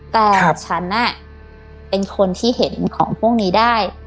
แต่ฉันเป็นคนที่เห็นของพวกนี้ได้